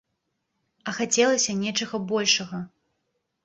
А хацелася нечага большага.